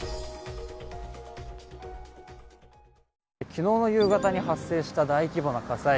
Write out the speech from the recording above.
昨日の夕方に発生した大規模な火災。